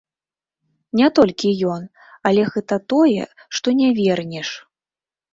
Не толькі ён, але гэта тое, што не вернеш.